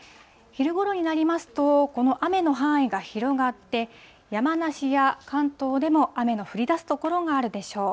昼ごろになりますと、この雨の範囲が広がって、山梨や関東でも雨の降りだす所があるでしょう。